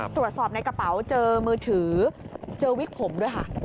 ตรวจสอบในกระเป๋าเจอมือถือเจอวิกผมด้วยค่ะ